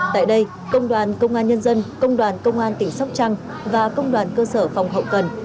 tại đây công đoàn công an nhân dân công đoàn công an tỉnh sóc trăng và công đoàn cơ sở phòng hậu cần